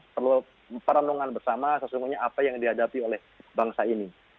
perlu perenungan bersama sesungguhnya apa yang dihadapi oleh bangsa ini